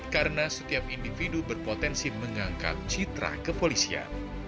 karena setiap individu berpotensi mengangkat citra kepolisian